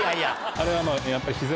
あれはまぁやっぱり。